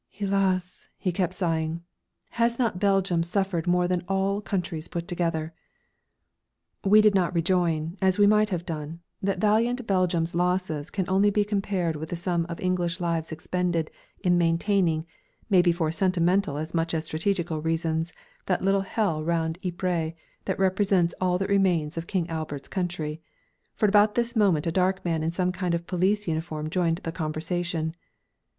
"Hélas!" he kept sighing. "Has not Belgium suffered more than all countries put together?" We did not rejoin, as we might well have done, that valiant Belgium's losses can only be compared with the sum of English lives expended in maintaining, maybe for sentimental as much as strategical reasons, that little hell round Ypres that represents all that remains of King Albert's country; for at about this moment a dark man in some kind of police uniform joined in the conversation.